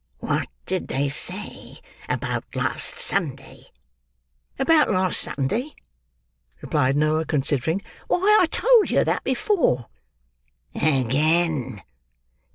"What did they say, about last Sunday?" "About last Sunday!" replied Noah, considering. "Why I told yer that before." "Again.